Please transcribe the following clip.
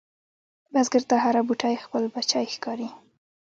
بزګر ته هره بوټۍ خپل بچی ښکاري